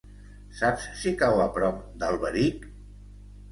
Saps si cau a prop d'Alberic?